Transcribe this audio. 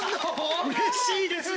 うれしいですね。